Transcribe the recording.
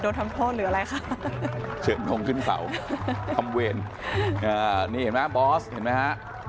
โดนทำโพสต์หรืออะไรค่ะเพื่อนมงขึ้นเสาคำเวณนี่บอสเห็นไหมฮะ